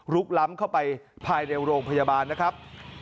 ล้ำเข้าไปภายในโรงพยาบาลนะครับ